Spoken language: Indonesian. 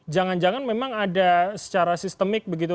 jangan jangan memang ada secara sistemik begitu